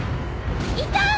いた！